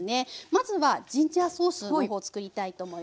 まずはジンジャーソースの方作りたいと思います。